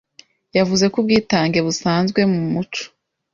yavuze ko ubwitange busanzwe mu muco